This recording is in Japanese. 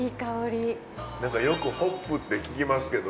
なんかよくホップって聞きますけど。